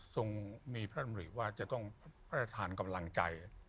ทรงมีพระธรรมดิว่าจะต้องประทานกำลังใจ